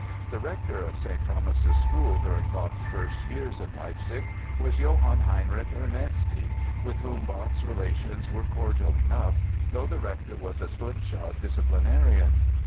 The rector of St. Thomas' School during Bach's first years in Leipzig was Johann Heinrich Ernesti, with whom Bach's relations were cordial enough, though the rector was a slipshod disciplinarian.